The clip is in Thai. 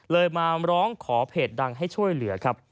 เลยมาร้องขอเพจดังให้ช่วยเหลือ